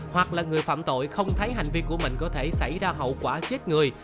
hoặc là người phạm tội không thấy hành vi của mình có thể xảy ra hậu quả chết người